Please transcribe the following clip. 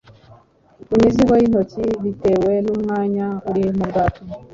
imizigo yintoki, bitewe numwanya uri mubwato